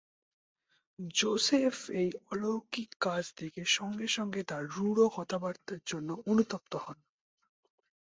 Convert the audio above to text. যোষেফ এই অলৌকিক কাজ দেখে সঙ্গে সঙ্গে তার রূঢ় কথাবার্তার জন্য অনুতপ্ত হন।